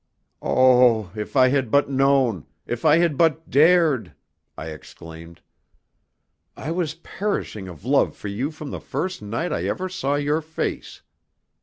'" "Oh, if I had but known if I had but dared!" I exclaimed. "I was perishing of love for you from the first night I ever saw your face.